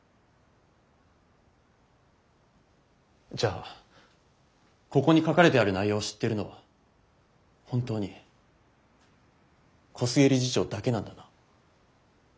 じゃあここに書かれてある内容を知ってるのは本当に小菅理事長だけなんだな？